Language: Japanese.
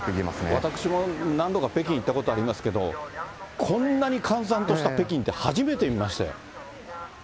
私も何度か北京行ったことありますけど、こんなに閑散とした北京って初めて見ましたよ。